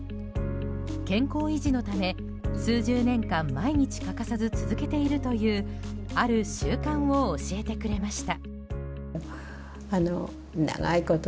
健康維持のため、数十年間毎日欠かさず続けているというある習慣を教えてくれました。